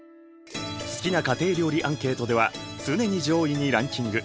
好きな家庭料理アンケートでは常に上位にランキング。